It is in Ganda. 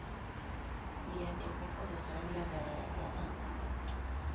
Yadde kukozesa biragalalagala.